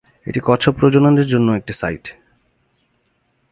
এটি কচ্ছপ প্রজননের জন্য একটি সাইট।